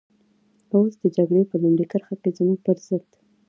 اوس د جګړې په لومړۍ کرښه کې زموږ پر ضد.